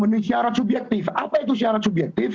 mereka memiliki syarat subjektif apa itu syarat subjektif